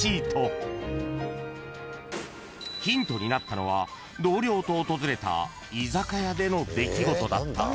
［ヒントになったのは同僚と訪れた居酒屋での出来事だった］